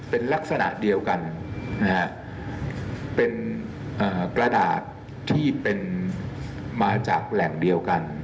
เป็นลักษณะเดียวกันนะฮะเป็นกระดาษที่เป็นมาจากแหล่งเดียวกัน